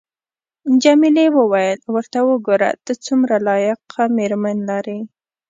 جميلې وويل:: ورته وګوره، ته څومره لایقه مېرمن لرې.